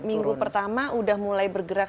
minggu pertama udah mulai bergerak